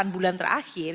delapan bulan terakhir